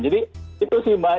jadi itu sih mbak